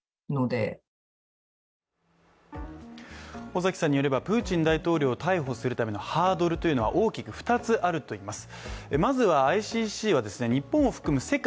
尾崎さんによれば、プーチン大統領を逮捕するためのハードルは大きく２つあるといいます。